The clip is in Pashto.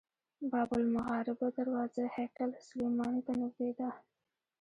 باب المغاربه دروازه هیکل سلیماني ته نږدې ده.